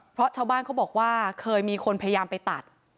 เพราะชาวบ้านเขาบอกว่าเคยมีคนพยายามไปตัด